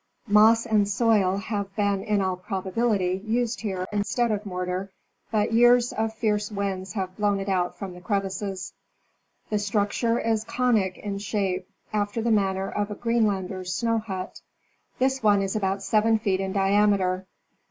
Moss and soil have been in all probability used here instead of mortar, but years of fierce winds have blown it out from the crevices. The structure is conic in shape, after the manner of a Greenlander's snow hut. This one is about seven feet in diameter.